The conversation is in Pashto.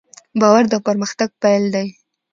باور د پرمختګ پیل دی.